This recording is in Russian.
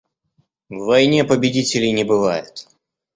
В войне победителей не бывает.